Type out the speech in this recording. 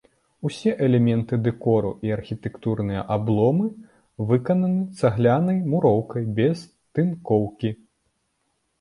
Усе элементы дэкору і архітэктурныя абломы выкананы цаглянай муроўкай без тынкоўкі.